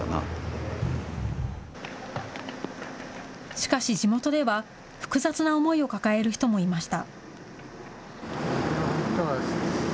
しかし地元では、複雑な思いを抱える人もいました。